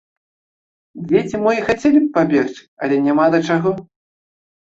Дзеці мо і хацелі б пабегчы, але няма да чаго.